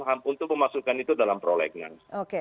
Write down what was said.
ham untuk memasukkan itu dalam prolegnas